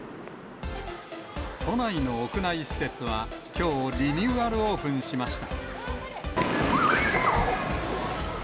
都内の屋内施設はきょう、リニューアルオープンしました。